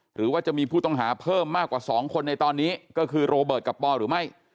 หรือว่าจะมีผู้ต้องหาเพิ่มมากกว่า๒คนในตอนนี้ก็คือโรเบิร์ตกับปอหรือไม่